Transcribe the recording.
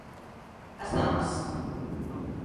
Ás damas?